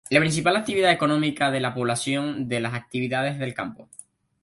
La principal actividad económica de la población es las actividades del campo.